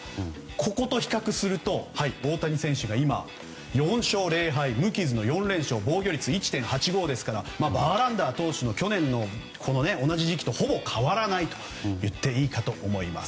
ここと比較すると大谷選手は今、４勝０敗で無傷の４連勝防御率１．８５ですからバーランダー投手の去年の同じ時期とほぼ変わらないといってもいいかと思います。